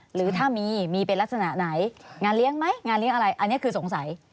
หรือถ้ามีมีเป็นลักษณะไหนงานเลี้ยงไหมงานเลี้ยงอะไรอันนี้คือสงสัย